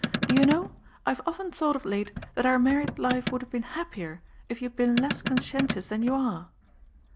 Do you know, I have often thought of late that our married life would have been happier, if you had been less conscientious than you are.